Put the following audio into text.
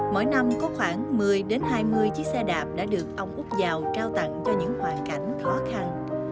mỗi năm có khoảng một mươi hai mươi chiếc xe đạp đã được ông úc dào trao tặng cho những hoàn cảnh khó khăn